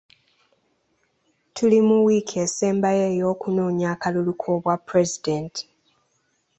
Tuli mu wiiki esembayo ey'okunoonya akalulu k'obwa pulezidenti.